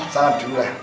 salam dulu lah